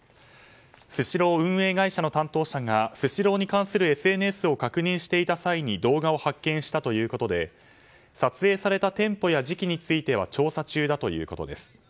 スシロー運営会社の担当者がスシローに関するＳＮＳを確認していた際に動画を発見したということで撮影された店舗や時期については調査中だということです。